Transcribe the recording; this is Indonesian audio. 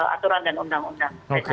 aturan dan undang undang